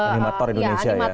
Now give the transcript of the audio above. animator indonesia ya